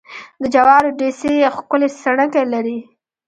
د جوارو ډېسې ښکلې څڼکې لري.